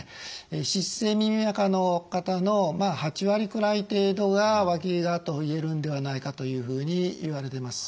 湿性耳あかの方の８割くらい程度がわきがと言えるんではないかというふうにいわれてます。